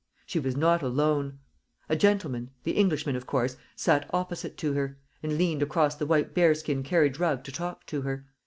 She was not alone. A gentleman the Englishman, of course sat opposite to her, and leant across the white bear skin carriage rug to talk to her.